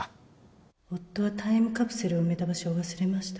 夫はタイムカプセルを埋めた場所を忘れました